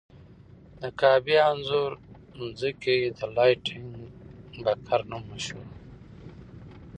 د کعبې انځور مخکې د لایټننګ بګز نوم مشهور و.